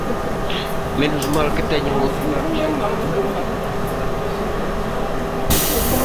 Menos mal que teñen outro ano xacobeo para poder rematalas.